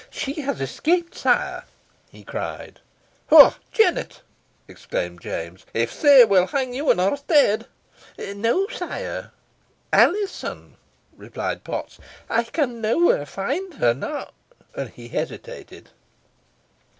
"She has escaped, sire!" he cried. "Wha! Jennet!" exclaimed James. "If sae, we will tang you in her stead." "No, sire Alizon," replied Potts. "I can nowhere find her; nor " and he hesitated.